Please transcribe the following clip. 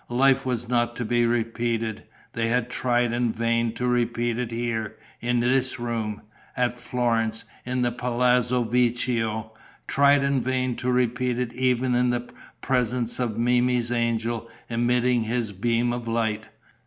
Life was not to be repeated. They had tried in vain to repeat it here, in this room, at Florence, in the Palazzo Vecchio, tried in vain to repeat it even in the presence of Memmi's angel emitting his beam of light!